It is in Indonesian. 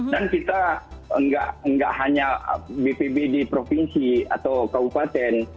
dan kita enggak hanya bpb di provinsi atau kabupaten